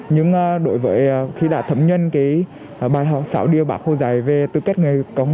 nhưng đối với khi đã thấm nhân cái bài học sáu điều bảo khô giải về tư kết người công